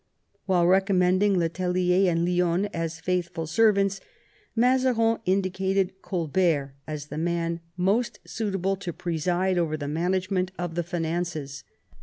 While recommending le Tellier and Lionne as faithful servants, Mazarin indicated Colbert as the man most suitable to preside over the manage ment of the finances.